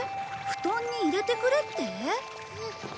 布団に入れてくれって？